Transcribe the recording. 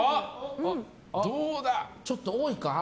ちょっと多いか？